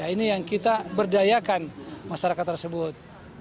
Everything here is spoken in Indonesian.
ini yang kita berdayakan masyarakat tersebut